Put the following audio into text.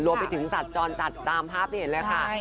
รวมไปถึงสัตว์จรจัดตามภาพที่เห็นเลยค่ะ